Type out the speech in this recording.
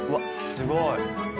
すごい。